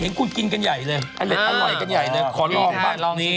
เชือกกี่